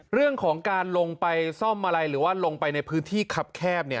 เรื่องของการลงไปซ่อมอะไรหรือว่าลงไปในพื้นที่คับแคบ